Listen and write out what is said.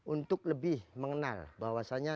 untuk lebih mengenal bahwasannya